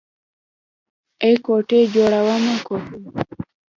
ای کوټې جوړومه کوټې.